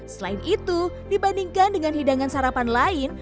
selain itu dibandingkan dengan hidangan sarapan lain